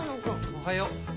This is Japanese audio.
おはよう。